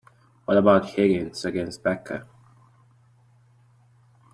What about Higgins against Becca?